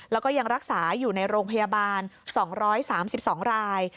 แล้วก็ยังรักษาอยู่ในโรงพยาบาล๒๓๒ราย